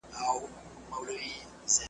ما زرین ته یوه پيغله